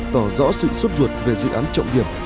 tỏ rõ sự suốt ruột về dự án trọng điểm